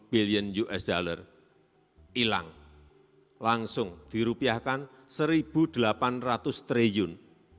dua puluh bilion usd hilang langsung dirupiahkan rp satu delapan ratus triliun